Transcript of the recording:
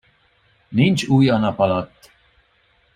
Nincs új a nap alatt.